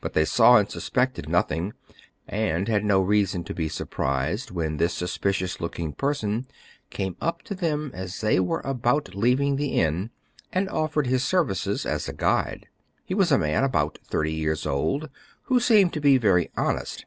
But they saw and suspected nothing, and had no reason to be surprised when this suspicious look ing person came up to them as they were about leaving the inn, and offered his services as a guide. He was a man about thirty years old, who seemed to be very honest.